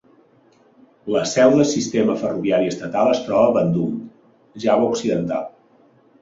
La seu de sistema ferroviari estatal es troba a Bandung, Java Occidental.